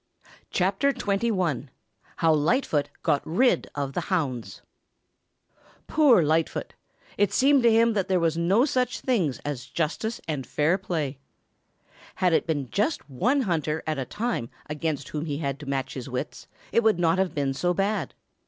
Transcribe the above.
CHAPTER XXI HOW LIGHTFOOT GOT RID OF THE HOUNDS Poor Lightfoot! It seemed to him that there were no such things as justice and fair play. Had it been just one hunter at a time against whom he had to match his wits it would not have been so bad.